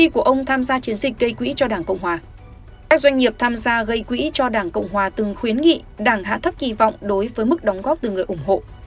các doanh nghiệp tham gia gây quỹ cho đảng cộng hòa từng khuyến nghị đảng hạ thấp kỳ vọng đối với mức đóng góp từ người ủng hộ